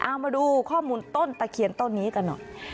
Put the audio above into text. เอามาดูข้อมูลต้นตะเคียนต้นนี้กันหน่อย